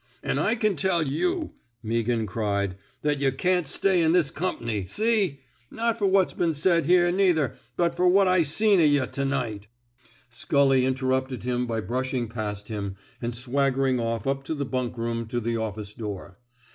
An' I can tell you,'' Mea ghan cried, that yuh can't stay in this comp'ny, seef — not for what's been said here, neither, but fer what I seen of yuh t'night— " Scully interrupted him by brushing past him and swaggering off up the bunkroom to the office door.